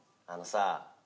あのさ。